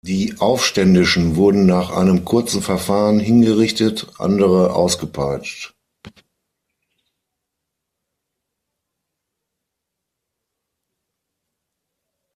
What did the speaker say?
Die Aufständischen wurden nach einem kurzen Verfahren hingerichtet, andere ausgepeitscht.